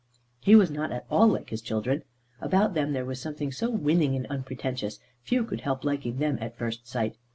He was not at all like his children. About them there was something so winning and unpretentious, few could help liking them at first sight.